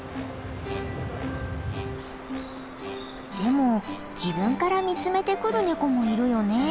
でも自分から見つめてくるネコもいるよね。